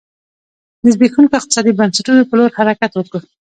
د زبېښونکو اقتصادي بنسټونو په لور حرکت و.